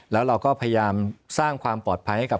แล้วเราก็พยายามสร้างความปลอดภัยให้กับ